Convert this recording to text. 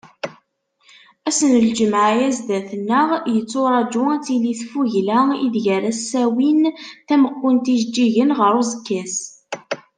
Ass n lǧemɛa-a sdat-nneɣ, yetturaǧu ad tili tfugla ideg ara as-awin tameqqunt n yijeǧǧigen ɣer uẓekka-s.